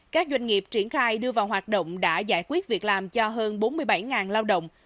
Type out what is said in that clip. các doanh nghiệp triển khai đưa vào hoạt động đã giải quyết việc làm cho hơn bốn mươi bảy lao động